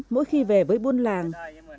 mỗi khi về với buôn làng